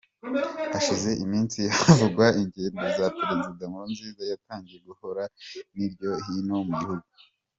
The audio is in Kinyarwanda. Hashize iminsi havugwa ingendo za perezida Nkurunziza yatangiye gukora hirya no hino mu gihugu.